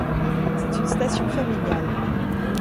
C'est une station familiale.